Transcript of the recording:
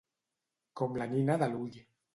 Com la nina de l'ull.